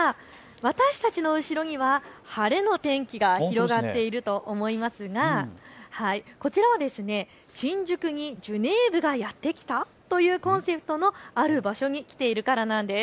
私たちの後ろには晴れの天気が広がっていると思いますが、こちらは新宿にジュネーブがやって来たというコンセプトのある場所に来ているからなんです。